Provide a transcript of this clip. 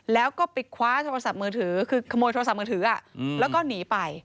แล้วก็ไปคว้าโทรศัพท์มือถือคือขโมยโทรศัพท์มือถือแล้วก็หนีไป